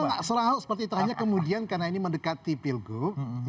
iya memang selama ahok seperti itu hanya kemudian karena ini mendekati pilgub